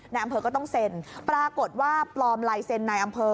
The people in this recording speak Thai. อำเภอก็ต้องเซ็นปรากฏว่าปลอมลายเซ็นในอำเภอ